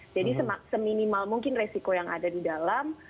jadi seminimal mungkin resiko yang ada di dalam